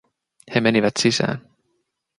He menivät sisään.